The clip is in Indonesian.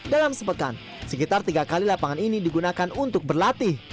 dalam sepekan sekitar tiga kali lapangan ini digunakan untuk berlatih